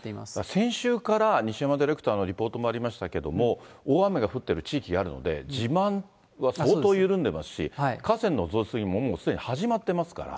先週から西山ディレクターのリポートもありましたけれども、大雨が降っている地域があるので、地盤は相当緩んでますし、河川の増水ももうすでに始まってますから。